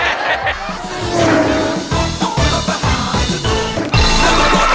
เอาเช่